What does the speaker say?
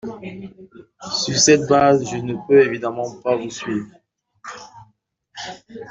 Sur cette base, je ne peux évidemment pas vous suivre.